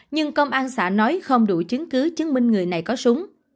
nhưng công an xã nói không đủ chứng cứ chứng minh người này có súng